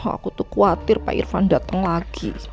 aku tuh khawatir pak irfan dateng lagi